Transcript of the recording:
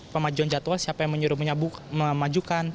pemajuan jadwal siapa yang menyuruh memajukan